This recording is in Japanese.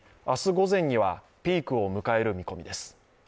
午前にはピークを迎える見込みです。